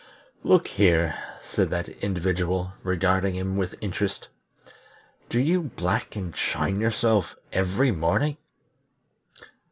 "Look here," said that individual, regarding him with interest, "do you black and shine yourself every morning?"